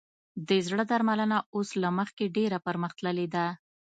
د زړه درملنه اوس له مخکې ډېره پرمختللې ده.